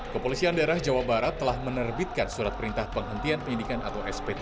kepolisian daerah jawa barat telah menerbitkan surat perintah penghentian penyidikan atau sp tiga